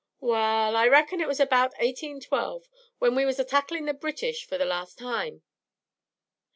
"Wa'al, I reckon it was about 1812, when we was a tackling the British for the last time.